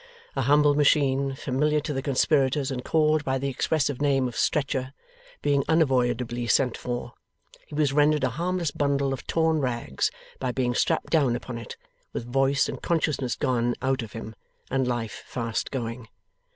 A humble machine, familiar to the conspirators and called by the expressive name of Stretcher, being unavoidably sent for, he was rendered a harmless bundle of torn rags by being strapped down upon it, with voice and consciousness gone out of him, and life fast going.